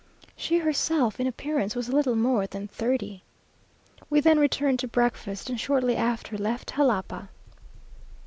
She herself, in appearance, was little more than thirty. We then returned to breakfast, and shortly after left Jalapa.